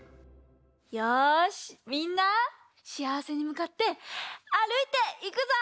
よしみんなしあわせにむかってあるいていくぞ！